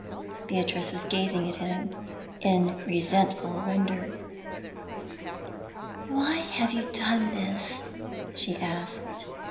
Beatrice was gazing at him in resentful wonder. 'Why have you done this?' she asked.